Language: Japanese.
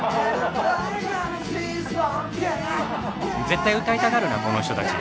絶対歌いたがるなこの人たち。